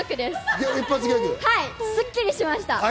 スッキリしました。